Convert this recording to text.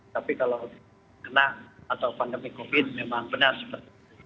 tapi kalau kena atau pandemi covid memang benar